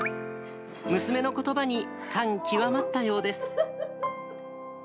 娘のことばに感極まったようです。